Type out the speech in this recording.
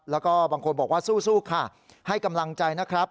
แล้วก็บางคนบอกว่าสู้ค่ะให้กำลังใจนะครับ